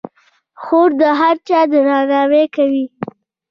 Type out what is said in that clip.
خور د هر چا درناوی کوي.